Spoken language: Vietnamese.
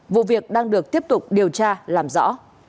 vụ việc đang được tiếp tục điều tra làm rõ